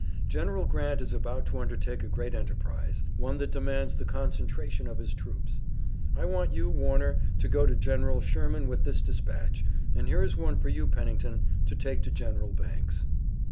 General Grant is about to undertake a great enterprise, one that demands the concentration of his troops. I want you, Warner, to go to General Sherman with this dispatch, and here is one for you, Pennington, to take to General Banks."